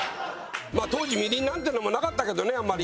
当時みりんなんていうのもなかったけどねあまり。